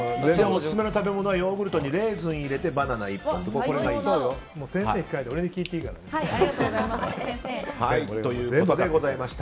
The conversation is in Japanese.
オススメの食べ物はヨーグルトにレーズンを入れてバナナ１本ということです。